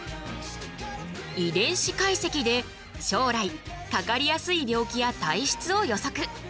遺伝子解析で将来かかりやすい病気や体質を予測。